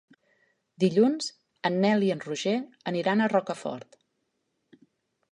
Dilluns en Nel i en Roger aniran a Rocafort.